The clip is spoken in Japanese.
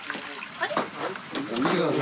あれ？